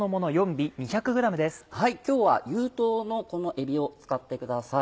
今日は有頭のこのえびを使ってください。